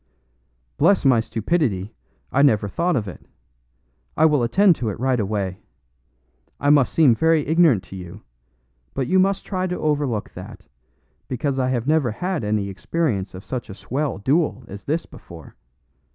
"Bless my stupidity, I never thought of it! I will attend to it right away. I must seem very ignorant to you; but you must try to overlook that, because I have never had any experience of such a swell duel as this before.